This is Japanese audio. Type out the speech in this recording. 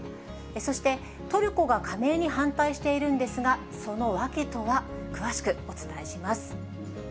そして、トルコが加盟に反対しているんですが、その訳とは、詳しくお伝えします。